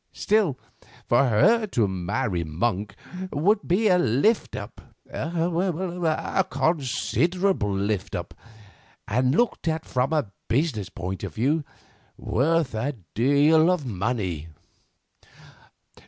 Still for her to marry a Monk would be a lift up—a considerable lift up, and looked at from a business point of view, worth a deal of money.